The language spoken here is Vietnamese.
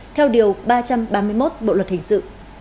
theo điều ba trăm ba mươi một bộ luật hình sự